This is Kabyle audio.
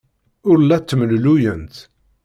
Ur la ttemlelluyent.